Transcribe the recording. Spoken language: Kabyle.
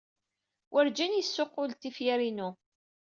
Werjin yessuqqul-d tifyar-inu.